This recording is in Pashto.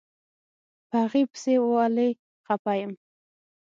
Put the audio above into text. په هغې پسې ولې خپه يم.